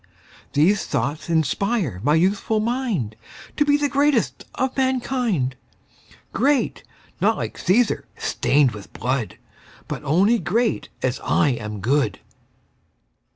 These thoughts inspire my youthful mind To be the greatest of mankind: Great, not like Cæsar, stained with blood, But only great as I am good.